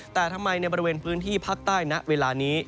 แต่ทำไมในบริเวณพื้นที่ภาคใต้ณเวลานี้